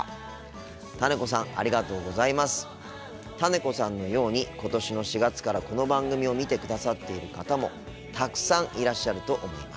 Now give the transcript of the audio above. ねこさんのように今年の４月からこの番組を見てくださってる方もたくさんいらっしゃると思います。